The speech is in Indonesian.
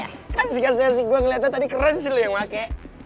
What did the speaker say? kan sih kan saya sih gue ngeliatnya tadi keren sih lo yang pake